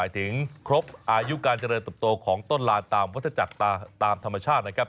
ถึงครบอายุการเจริญเติบโตของต้นลานตามวัฒจักรตามธรรมชาตินะครับ